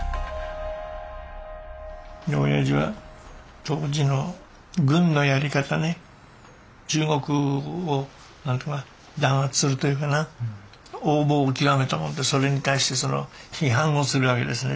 親父は当時の軍のやり方ね中国を弾圧するというかな横暴を極めたもんでそれに対して批判をするわけですね